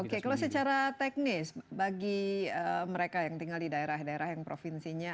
oke kalau secara teknis bagi mereka yang tinggal di daerah daerah yang provinsinya